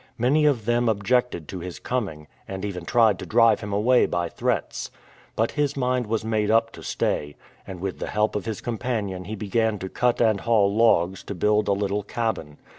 Many of them objected to his coming, and even tried to drive him away by threats. But his mind was made up to stay, and with the help of his com panion he began to cut and haul logs to build a little cabin.